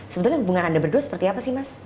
sebetulnya hubungan anda berdua seperti apa sih mas